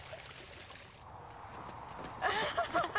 ハハハハ。